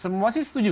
semua sih setuju